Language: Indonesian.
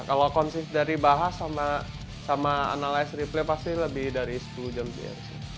kalau konsis dari bahas sama analise replay pasti lebih dari sepuluh jam sih ya